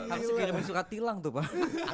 harusnya dikirimin suka tilang tuh pak